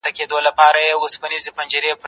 کتابتون د زهشوم له خوا پاکيږي،